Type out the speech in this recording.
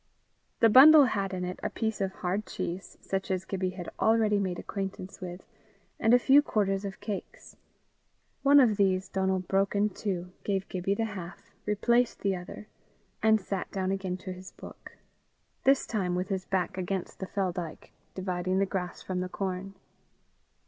The bundle had in it a piece of hard cheese, such as Gibbie had already made acquaintance with, and a few quarters of cakes. One of these Donal broke into two, gave Gibbie the half, replaced the other, and sat down again to his book this time with his back against the fell dyke dividing the grass from the corn.